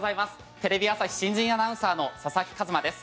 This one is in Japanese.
テレビ朝日新人アナウンサーの佐々木一真です。